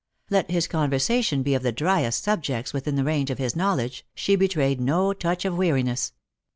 Let his conversation be of the driest subjects within the range of his knowledge, she betrayed no touch of weariness.